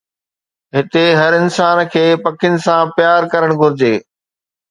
هتي هر انسان کي پکين سان پيار ڪرڻ گهرجي.